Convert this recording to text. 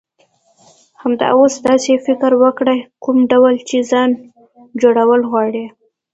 همدا اوس داسی فکر وکړه، کوم ډول چی ځان جوړول غواړی.